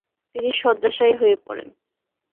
তিনি সয্যশায়ী হয়ে পরেন।